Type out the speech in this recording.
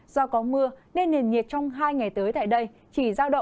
do có mưa nên nền nhiệt trong hai ngày tới tại đây chỉ có hai ngày tới